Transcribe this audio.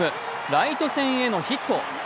ライト線へのヒット。